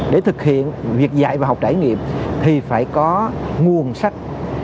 để thực hiện việc dạy và học trải nghiệm thì phải có nguồn sách